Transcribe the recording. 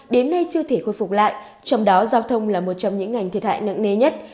đến nay chưa thể khôi phục lại trong đó giao thông là một trong những ngành thiệt hại nặng nề nhất